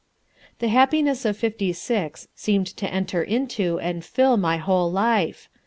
"The happiness of Fifty Six seemed to enter into and fill my whole life.